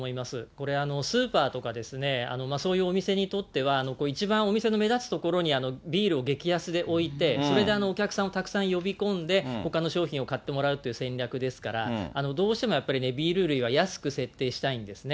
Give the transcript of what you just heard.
これ、スーパーとかですね、そういうお店にとっては一番お店の目立つ所にビールを激安で置いて、それでお客さんをたくさん呼び込んで、ほかの商品を買ってもらうという戦略ですから、どうしてもやっぱり、ビール類は安く設定したいんですね。